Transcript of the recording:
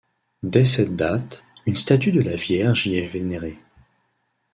Dès cette date, une statue de la Vierge y est vénérée.